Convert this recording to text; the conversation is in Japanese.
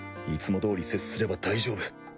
いつもどおり接すれば大丈夫